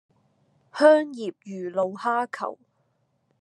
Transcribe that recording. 香葉魚露蝦球